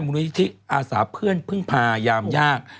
มูลนิธิอาสาเพื่อนพึ่งพายามยาก